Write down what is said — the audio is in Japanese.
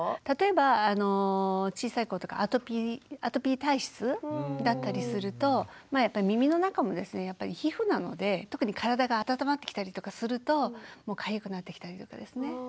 例えば小さい子とかアトピー体質だったりすると耳の中もですねやっぱり皮膚なので特に体が温まってきたりとかするとかゆくなってきたりとかですね。